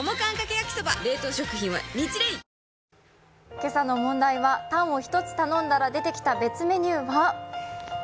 今朝の問題はタンを１つ頼んだら出てきた別メニューは？